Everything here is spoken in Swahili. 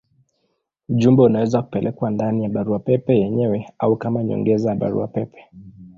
Ujumbe unaweza kupelekwa ndani ya barua pepe yenyewe au kama nyongeza ya barua pepe.